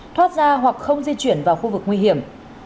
thoát ra hoặc không di chuyển vào khu vực nguy hiểm